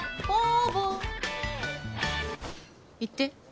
お！